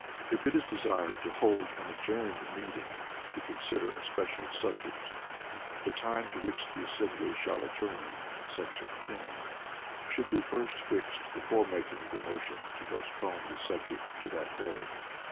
If it is desired to hold an adjourned meeting to consider a special subject, the time to which the assembly shall adjourn [§ 10] should be first fixed before making the motion to postpone the subject to that day.